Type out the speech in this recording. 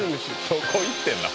どこ行ってんな